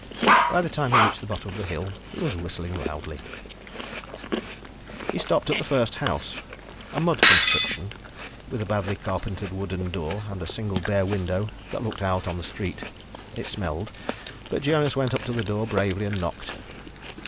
By the time he reached the bottom of the hill, he was whistling loudly. He stopped at the first house, a mud construction with a badly carpentered wooden door and a single bare window that looked out on the street. It smelled, but Jonas went up to the door bravely and knocked.